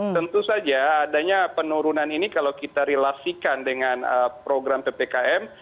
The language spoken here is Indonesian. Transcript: tentu saja adanya penurunan ini kalau kita relasikan dengan program ppkm